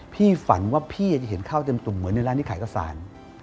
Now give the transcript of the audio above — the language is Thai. ฝันว่าพี่จะเห็นข้าวเต็มตุ่มเหมือนในร้านที่ขายข้าวสาร